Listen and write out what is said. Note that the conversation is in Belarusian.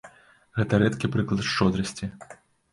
Гэта рэдкі прыклад шчодрасці.